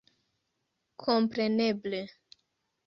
Kompreneble